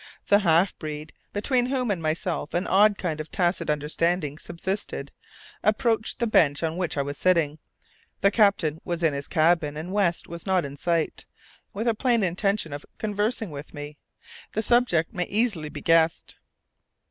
The half breed, between whom and myself an odd kind of tacit understanding subsisted, approached the bench on which I was sitting the captain was in his cabin, and West was not in sight with a plain intention of conversing with me. The subject may easily be guessed.